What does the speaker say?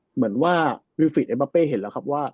เหมือนว่าวิวฟิกเอ็มบาเป้เห็นแล้วครับว่า